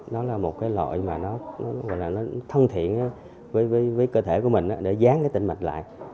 đó là một loại thân thiện với cơ thể của mình để dán tỉnh mạch lại